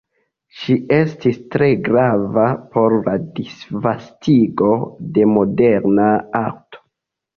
Ŝi estis tre grava por la disvastigo de moderna arto.